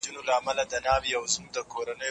ابن خلدون وايي چي ټولنه په دوو برخو وېشل سوې ده.